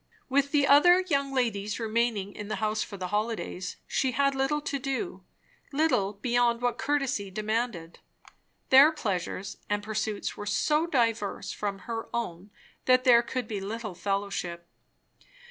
With the other young ladies remaining in the house for the holidays, she had little to do; little beyond what courtesy demanded. Their pleasures and pursuits were so diverse from her own that there could be little fellowship.